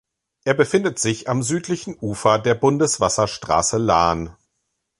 Er befindet sich am südlichen Ufer der Bundeswasserstraße Lahn.